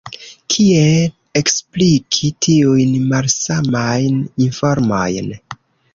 Kiel ekspliki tiujn malsamajn informojn?